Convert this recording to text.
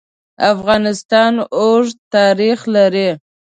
افغانستان اوږد تاریخ لري.